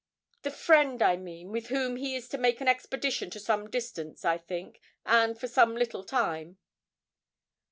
'The friend, I mean, with whom he is to make an expedition to some distance, I think, and for some little time?'